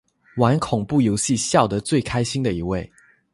玩恐怖游戏笑得最开心的一位